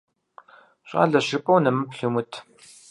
ЩӀалэщ жыпӀэу нэмыплъ йумыт.